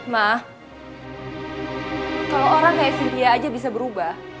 ma kalo orang kayak cynthia aja bisa berubah